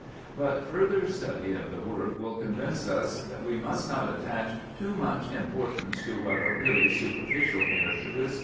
But further study of the work will convince us that we must not attach too much importance to what are really superficial characteristics.